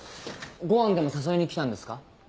ごはんでも誘いに来たんですか？